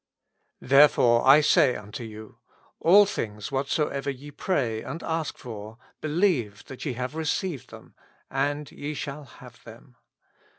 Therefore I say ttnto you, All things whatsoever ye pray and ask for, believe that ye have received them, and ye shall have them.